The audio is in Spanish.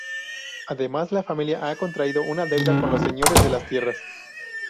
Además, la familia ha contraído una deuda con los señores de las tierras.